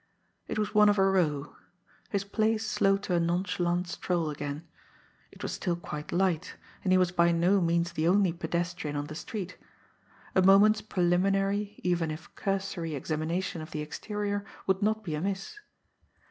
It was one of a row. His pace slowed to a nonchalant stroll again. It was still quite light, and he was by no means the only pedestrian on the street; a moment's preliminary, even if cursory, examination of the exterior would not be amiss!